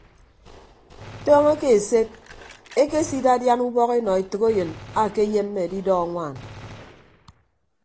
Tọọñọ ke eset ekesidadian ubọk enọ etәkeyịn akeyemme adidọ anwaan.